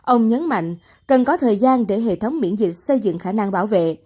ông nhấn mạnh cần có thời gian để hệ thống miễn dịch xây dựng khả năng bảo vệ